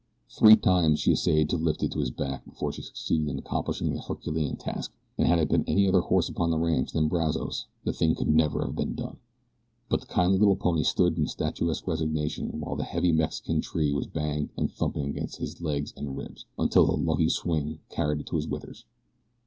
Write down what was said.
Three times she essayed to lift it to his back before she succeeded in accomplishing the Herculean task, and had it been any other horse upon the ranch than Brazos the thing could never have been done; but the kindly little pony stood in statuesque resignation while the heavy Mexican tree was banged and thumped against his legs and ribs, until a lucky swing carried it to his withers.